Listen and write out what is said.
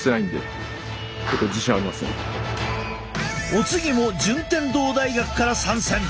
お次も順天堂大学から参戦！